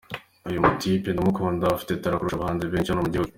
Uyu mu type ndamukunda, afite talent kurusha abahanzi benshi hano mu gihugu.